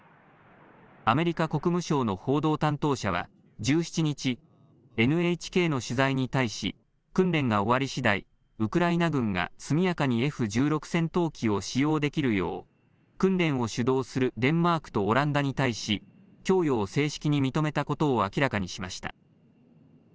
アメリカ国務省の報道担当者は１７日、ＮＨＫの取材に対し、訓練が終わりしだい、ウクライナ軍が速やかにＦ１６戦闘機を使用できるよう、訓練を主導するデンマークとオランダに対し、供与を正式に認めたことを明らかにしました。